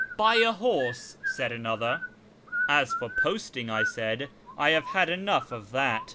" Buy a horse," said another. " As for posting," I said, " I have had enough of that.